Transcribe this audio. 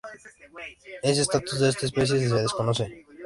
Es estatus de esta especie se desconoce.